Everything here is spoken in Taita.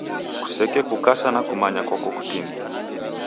Kusekukase na kumanya kwako kutini!